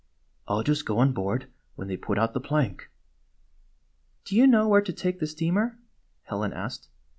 I 'll just go on board when they put out the plank." "Do you know where to take the steamer?" Helen asked.